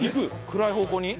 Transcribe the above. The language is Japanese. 暗い方向に？